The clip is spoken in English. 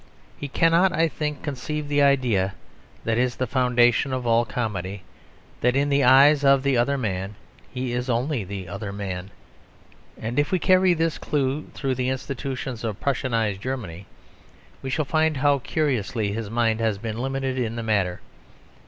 He cannot, I think, conceive the idea that is the foundation of all comedy; that, in the eyes of the other man, he is only the other man. And if we carry this clue through the institutions of Prussianised Germany, we shall find how curiously his mind has been limited in the matter.